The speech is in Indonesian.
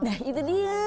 nah itu dia